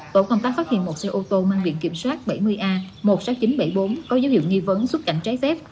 tổ công tác phát hiện một xe ô tô mang biện kiểm soát bảy mươi a một mươi sáu nghìn chín trăm bảy mươi bốn có dấu hiệu nghi vấn xuất cảnh trái phép